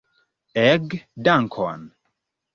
Ege dankon!